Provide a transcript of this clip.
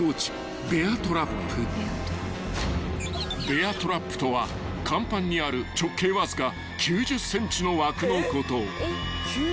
［ベアトラップとは甲板にある直径わずか９０ｃｍの枠のこと］